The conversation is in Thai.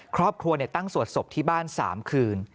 ครอบครัวตั้งสวดศพที่บ้าน๓คืน